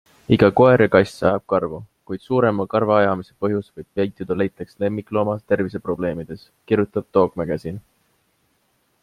Iga koer ja kass ajab karvu, kuid suurema karvaajamise põhjus võib peituda näiteks lemmiklooma terviseprobleemides, kirjutab Dog Magazine.